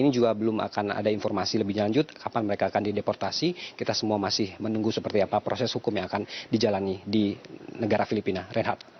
ini juga belum akan ada informasi lebih lanjut kapan mereka akan dideportasi kita semua masih menunggu seperti apa proses hukum yang akan dijalani di negara filipina rehat